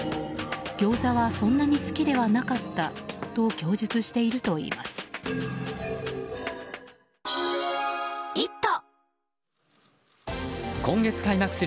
ギョーザは、そんなに好きではなかったと供述しているといいます。